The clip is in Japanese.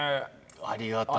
ありがたい。